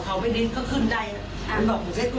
เที่ยวเดี๋ยวลองสร้างได้แม้กลับเป็นซะสุด